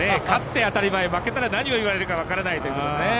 勝って、当たり前負けたら、何を言われるか分からないということで。